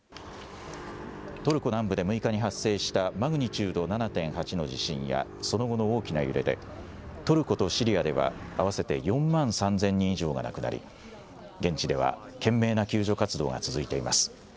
トルコ南部で６日に発生した、マグニチュード７．８の地震やその後の大きな揺れで、トルコとシリアでは、合わせて４万３０００人以上が亡くなり、現地では懸命な救助活動が続いています。